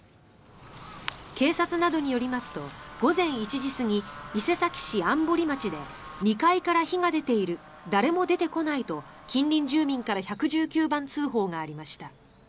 警察などによりますと午前１時過ぎ、伊勢崎市安堀町で２階から火が出ている誰も出てこないと近隣住民から１１９番通報がありました。